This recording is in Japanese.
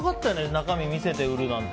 中身を見せて売るなんて。